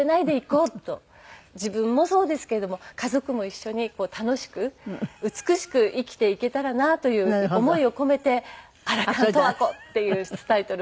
自分もそうですけれども家族も一緒に楽しく美しく生きていけたらなという思いを込めて『アラ還十和子』っていうタイトルをつけました。